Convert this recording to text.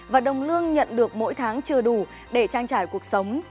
và đồng lương nhận được mỗi tháng chưa đủ để trang trải cuộc sống